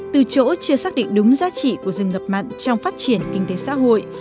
từ chỗ chưa xác định đúng giá trị của rừng ngập mặn trong phát triển kinh tế xã hội